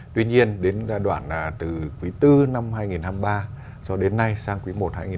tuy nhiên đến giai đoạn từ quý bốn năm hai nghìn hai mươi ba cho đến nay sang quý i hai nghìn hai mươi bốn